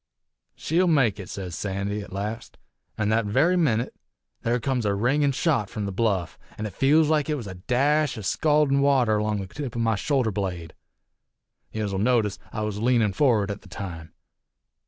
'She'll make it,' sez Sandy, 't last an' that very minit there comes a ringin' shot from the bluff, an' I feels like it was a dash o' scaldin' water 'long the tip o' my shoulder blade. Yez'll notice, I was leanin' forrard at the time.